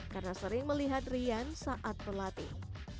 karena sering melihat rian saat berlatih